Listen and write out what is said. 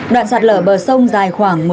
đoạn sạt lở bờ sông dài khoảng một năm km